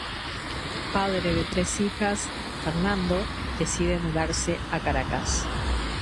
Padre de tres hijas, Fernando decide mudarse a Caracas.